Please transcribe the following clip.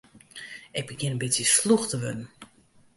Ik begjin in bytsje slûch te wurden.